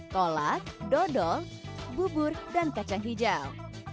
kolak dodol bubur dan kacang hijau